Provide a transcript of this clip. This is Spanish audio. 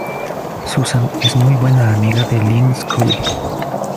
Susan es muy buena amiga de Lyn Scully.